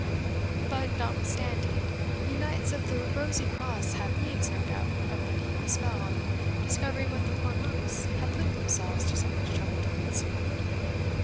"But, notwithstanding, you knights of the Rosy Cross have means, no doubt, of breaking the spell, and discovering what the poor monks have put themselves to so much trouble to conceal?"